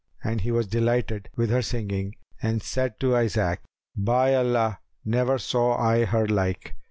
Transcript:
And he was delighted with her singing and said to Isaac, "By Allah, never saw I her like!"